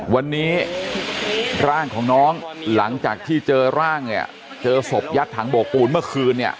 วันนี้ร่างของน้องหลังจากที่เจอร่างเนี่ยเจอศพยัดถังโบกปูนเมื่อคืนเนี่ย